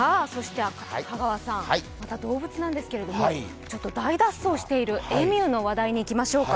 また動物なんですけれども、大脱走しているエミューの話題にいきましょうか。